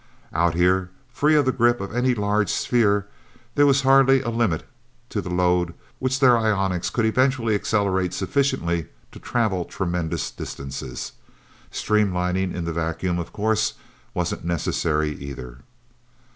Out here, free of the grip of any large sphere, there was hardly a limit to the load which their ionics could eventually accelerate sufficiently to travel tremendous distances. Streamlining, in the vacuum, of course wasn't necessary, either.